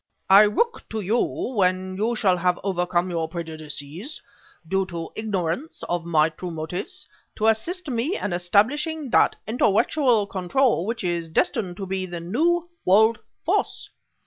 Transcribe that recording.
I look to you, when you shall have overcome your prejudices due to ignorance of my true motives to assist me in establishing that intellectual control which is destined to be the new World Force.